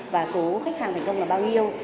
và số khách hàng thành công là bao nhiêu